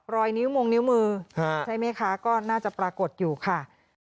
รอยนิ้วมงนิ้วมือใช่ไหมคะก็น่าจะปรากฏอยู่ค่ะ